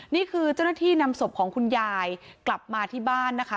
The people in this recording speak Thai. นี่คือเจ้าหน้าที่นำศพของคุณยายกลับมาที่บ้านนะคะ